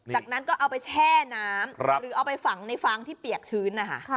จากนั้นก็เอาไปแช่น้ำหรือเอาไปฝังในฟางที่เปียกชื้นนะคะ